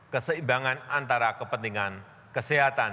keseimbangan antara kepentingan kesehatan